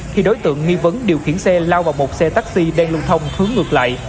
khi đối tượng nghi vấn điều khiển xe lao vào một xe taxi đen lung thông hướng ngược lại